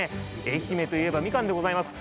愛媛といえばみかんでございます。